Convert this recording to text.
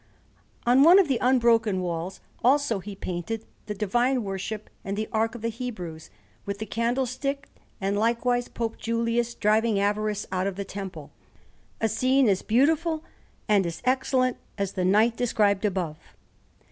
On one of the unbroken walls, also, he painted the Divine Worship and the Ark of the Hebrews, with the Candlestick; and likewise Pope Julius driving Avarice out of the Temple, a scene as beautiful and as excellent as the Night described above.